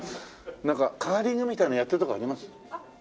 なんかカーリングみたいのやってるとこあります？